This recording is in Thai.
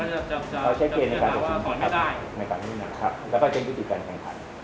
อันนี้คุณแข่งการการแข่งการแข่งขัน